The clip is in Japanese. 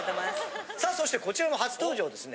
そしてこちらも初登場ですね。